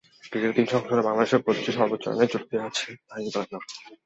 ক্রিকেটের তিন সংস্করণে বাংলাদেশের প্রতিটি সর্বোচ্চ রানের জুটিতেই আছে তামিম ইকবালের নাম।